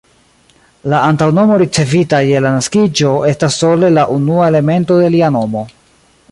La antaŭnomo, ricevita je la naskiĝo, estas sole la unua elemento de lia nomo.